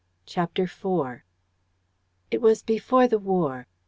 CHAPTER IV "It was before the war.